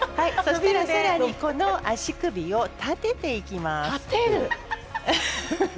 さらに、足首を立てていきます。